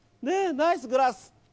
ナイスグラス！